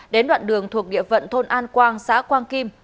đến đoạn đường thuộc địa phận thôn an quang xã quang kim